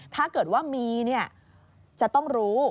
ถ้าเกิดว่ามีเนี่ยจะต้องรู้